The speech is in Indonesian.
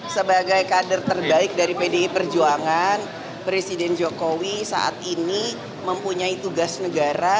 sebagai kader terbaik dari pdi perjuangan presiden jokowi saat ini mempunyai tugas negara